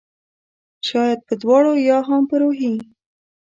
شاید په دواړو ؟ یا هم په روحي